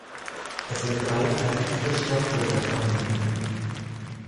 Es sind drei fertile Staubblätter vorhanden.